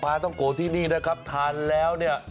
ต้องโกะที่นี่นะครับทานแล้วเนี่ย